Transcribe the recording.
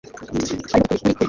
hariho ukuri kuri kuri